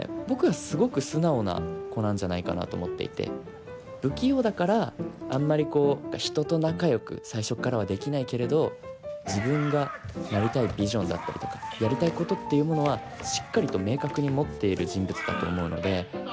僕はすごく素直な子なんじゃないかなと思っていて不器用だからあんまりこう人と仲よく最初っからはできないけれど自分がなりたいビジョンだったりとかやりたいことっていうものはしっかりと明確に持っている人物だと思うので。